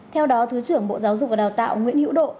theo đó thứ trưởng bộ giáo dục và đào tạo nguyễn hữu độ